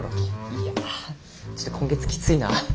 いやちょっと今月きついな。